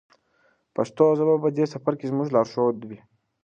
پښتو ژبه به په دې سفر کې زموږ لارښود وي.